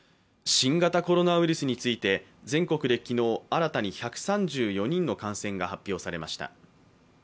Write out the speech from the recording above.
新型コロナウイルスについて、全国で昨日新たに１３４人の感染が発表されました。